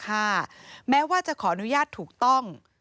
อุทธรณภักดิ์๕แม้ว่าจะขออนุญาตถูกต้อง